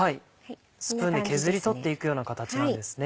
スプーンで削り取っていくような形なんですね。